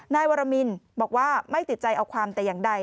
นายวรมินบอกว่าไม่ติดใจเอาความแต่อย่างใด